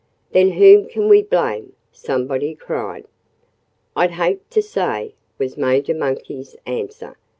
"Then whom can we blame?" somebody cried. "I'd hate to say," was Major Monkey's answer.